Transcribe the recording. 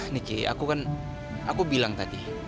niki aku kan aku bilang tadi